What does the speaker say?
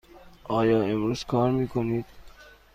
آیا امروز کار می کنید؟